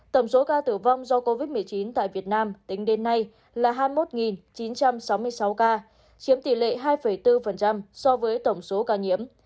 tổng số ca tử vong do covid một mươi chín tại việt nam tính đến nay là hai mươi một chín trăm sáu mươi sáu ca chiếm tỷ lệ hai bốn so với tổng số ca nhiễm